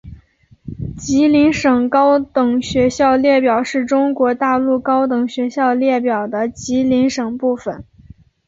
吉林省高等学校列表是中国大陆高等学校列表的吉林省部分。